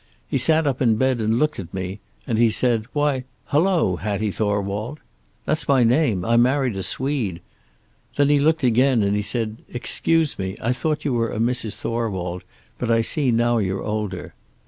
He sat up in bed and looked at me, and he said, 'Why, hello, Hattie Thorwald.' That's my name. I married a Swede. Then he looked again, and he said, 'Excuse me, I thought you were a Mrs. Thorwald, but I see now you're older.'